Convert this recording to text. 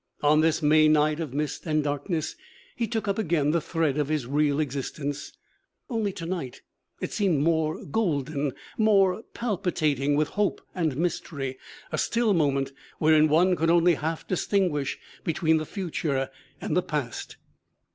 On this May night of mist and darkness he took up again the thread of his real existence. Only to night it seemed more golden, more palpitating with hope and mystery a still moment wherein one could only half distinguish between the future and the past.